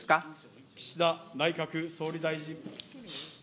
岸田内閣総理大臣。